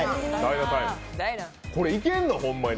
これいけんの、ホンマに。